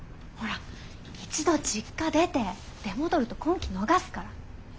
ほら一度実家出て出戻ると婚期逃すから。ね。